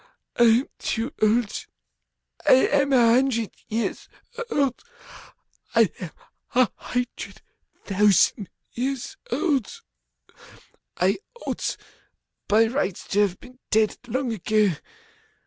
I am too old, I am a hundred years old, I am a hundred thousand years old, I ought, by rights, to have been dead long ago.